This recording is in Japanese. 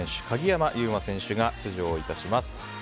鍵山優真選手が出場します。